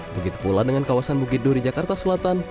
begitu pula dengan kawasan bukit duri jakarta selatan